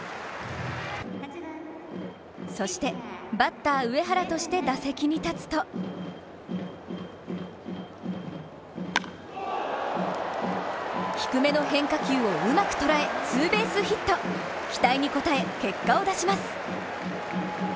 そしてバッター・上原として打席に立つと低めの変化球をうまく捉え、ツーベースヒット期待に応え、結果を出します。